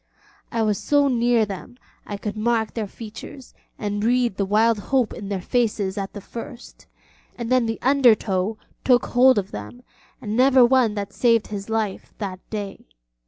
I was so near them I could mark their features and read the wild hope in their faces at the first, and then the under tow took hold of them, and never one that saved his life that day.